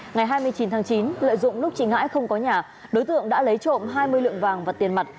ngày hai mươi chín tháng chín lợi dụng lúc chị ngãi không có nhà đối tượng đã lấy trộm hai mươi lượng vàng và tiền mặt